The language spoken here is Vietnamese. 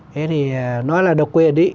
thế thì nói là độc quyền đấy